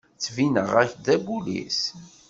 Ttbineɣ-ak-d d apulis?